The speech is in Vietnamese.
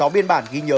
sáu biên bản ghi nhớ